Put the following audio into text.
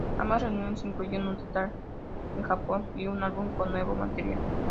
Ambas reuniones incluyeron un tour en Japón y un álbum con nuevo material.